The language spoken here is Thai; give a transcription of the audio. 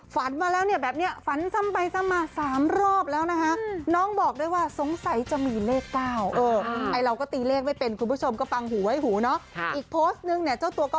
ฝันมาแล้วเนี่ยแบบนี้ฝันซ้ำไปซ้ำมา๓รอบแล้วนะฮะ